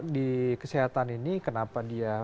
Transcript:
di kesehatan ini kenapa dia